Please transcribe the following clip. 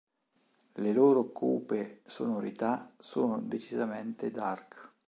Le loro cupe sonorità sono decisamente dark.